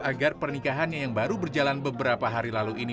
agar pernikahannya yang baru berjalan beberapa hari lalu ini